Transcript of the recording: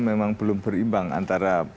memang belum berimbang antara